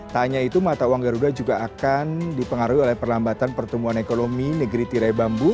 tak hanya itu mata uang garuda juga akan dipengaruhi oleh perlambatan pertumbuhan ekonomi negeri tirai bambu